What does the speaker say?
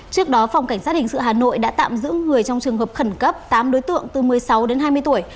trước đó phòng cảnh sát hình sự hà nội đã tạm giữ người trong trường hợp khẩn cấp tám đối tượng từ một mươi sáu đến hai mươi tuổi